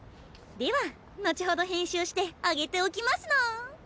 では後ほど編集して上げておきますの。